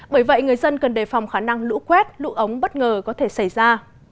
bởi vậy người dân cần đề phòng khả năng lũ quét lũ ống bất ngờ có thể xảy ra